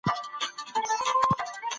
ولي قانون باید په ټولو خلګو یو شان تطبیق سي؟